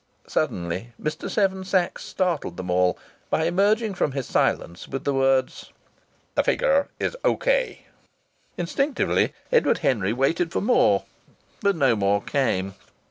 Suddenly Mr. Seven Sachs startled them all by emerging from his silence with the words: "The figure is O.K." Instinctively Edward Henry waited for more; but no more came.